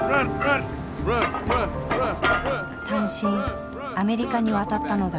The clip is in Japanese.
単身アメリカに渡ったのだ。